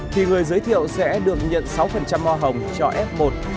thì người giới thiệu sẽ được nhận sáu hoa hồng cho f một